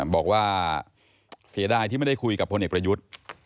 บอกว่าเสียดายที่ไม่ได้คุยกับพลเอกประยุทธ์